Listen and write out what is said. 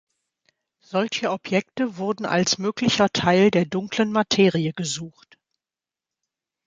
Solche Objekte wurden als möglicher Teil der Dunklen Materie gesucht.